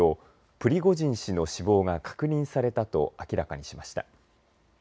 プリゴジン氏の死亡が確認されたと明らかにしました。